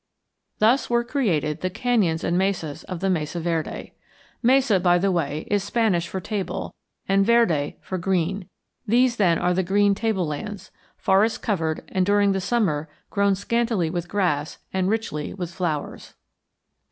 Thus were created the canyons and mesas of the Mesa Verde. Mesa, by the way, is Spanish for table, and verde for green. These, then, are the green tablelands, forest covered and during the summer grown scantily with grass and richly with flowers.